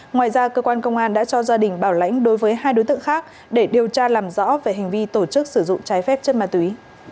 ngoài ra cơ quan công an đã cho gia đình bảo lãnh đối với hai đối tượng khác để điều tra làm rõ về hành vi tổ chức sử dụng trái phép chất ma túy